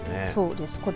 そうです。